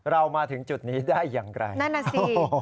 เรามาถึงจุดนี้ได้อย่างไกลนั่นแหละสิ